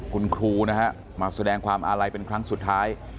คุณครูนะฮะมาแสดงความอาลัยเป็นครั้งสุดท้าย